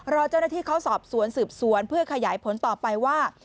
รอเจ้าหน้าที่เขาสอบสวนสืบสวนเพื่อขยายผลต่อไปว่า